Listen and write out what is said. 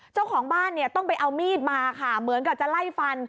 เจ้าของบ้านเนี่ยต้องไปเอามีดมาค่ะเหมือนกับจะไล่ฟัน